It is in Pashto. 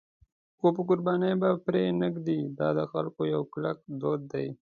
خو قرباني به پرې نه ږدي، دا د خلکو یو کلک دود دی.